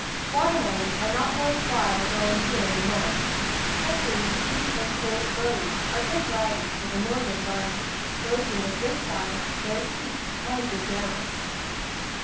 Water melons are not worth while growing here in the North. Kleckley's Sweet and Cole's Early are good varieties for the Northern garden, both being of good size, very sweet, and good bearers.